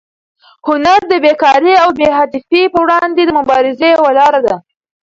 هنر د بېکارۍ او بې هدفۍ پر وړاندې د مبارزې یوه لاره ده.